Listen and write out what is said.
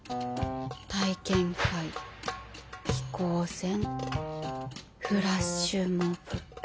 体験会飛行船フラッシュモブ。